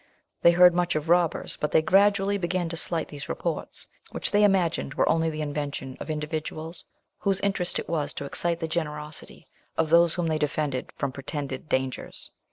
They heard much of robbers, but they gradually began to slight these reports, which they imagined were only the invention of individuals, whose interest it was to excite the generosity of those whom they defended from pretended dangers.